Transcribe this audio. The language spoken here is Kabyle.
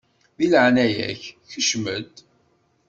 Di leɛnaya-k kcem-d!